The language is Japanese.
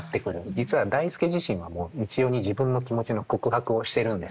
実は代助自身はもう三千代に自分の気持ちの告白をしてるんですね。